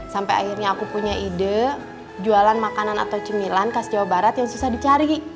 sampai akhirnya aku punya ide jualan makanan atau cemilan khas jawa barat yang susah dicari